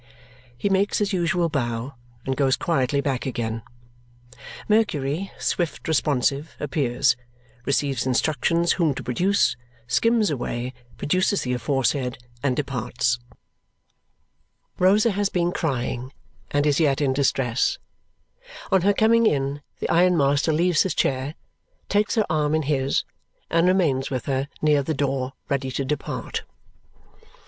He makes his usual bow and goes quietly back again. Mercury, swift responsive, appears, receives instructions whom to produce, skims away, produces the aforesaid, and departs. Rosa has been crying and is yet in distress. On her coming in, the ironmaster leaves his chair, takes her arm in his, and remains with her near the door ready to depart.